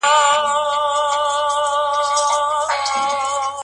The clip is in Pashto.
که تاسو بيا بيا غلط کوډ ووهئ، نو کيدی شي ستاسو ايميل بند شي